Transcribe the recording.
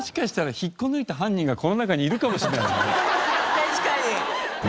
確かに。